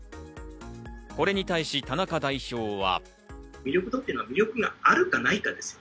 これに対し田中代表は。